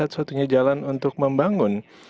suatu jalan untuk membangun